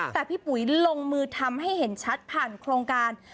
แต่พี่ปุ๋ยลงมือทำให้เห็นชัดผ่านโครงการ